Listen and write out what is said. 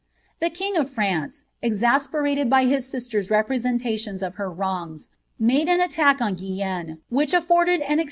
The king of France, exasperated by his sister's repre ■eolations of her wrongs, made an attack on Guienne, which afforded an ■ Rjrmer.